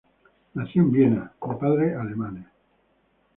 Nació en Viena, de padres Alemanes.